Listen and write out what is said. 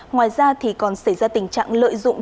ngoài ra thì còn xảy ra tình trạng lợi dụng